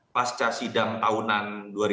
pasca sidang tahunan dua ribu dua puluh